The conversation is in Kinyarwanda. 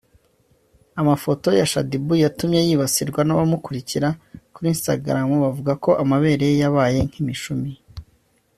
Amafoto ya ShaddyBoo yatumye yibasirwa n’abamukurikira kuri Instagram bavuga ko amabere ye yabaye nk’imishumi